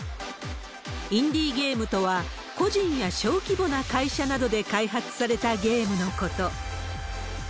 インディーゲームとは、個人や小規模な会社などで開発されたゲームのこと。